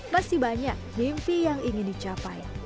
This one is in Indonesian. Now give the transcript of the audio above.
masih banyak mimpi yang ingin dicapai